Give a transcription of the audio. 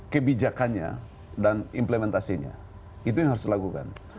kebijakannya dan implementasinya itu yang harus dilakukan